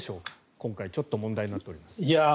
今回ちょっと問題になっています。